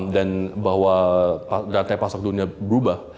dan bahwa data pasok dunia berubah